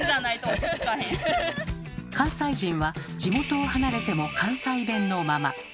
関西人は地元を離れても関西弁のまま。